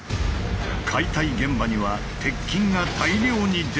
解体現場には鉄筋が大量に出てくる。